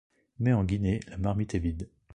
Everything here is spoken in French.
Mais en Guinée, la marmite est vide.